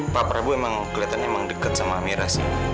pak prabu emang kelihatannya emang dekat sama aminah sih